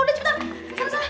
udah cepetan kesana kesana